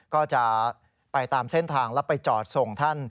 ก็จะไปตามเส้นทางแล้วไปจอดส่งท่าน